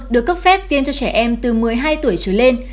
được cấp phép tiêm cho trẻ em từ một mươi hai tuổi trở lên